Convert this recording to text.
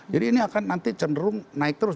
jadi ini akan nanti cenderung naik terus